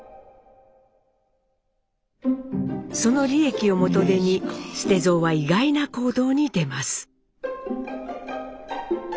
その利益を元手に捨蔵は意外な行動に出ます。